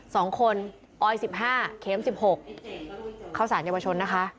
สองคนออย๑๕เขม๑๖เข้าสารเยาวชนนะคะ